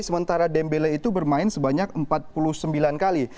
sementara dembele itu bermain sebanyak empat puluh sembilan kali